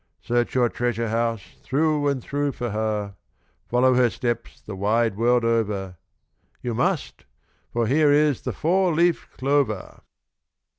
Search your treasure house Through and through for her. Follow her steps The wide world over; You must! for here is The four leaved clover."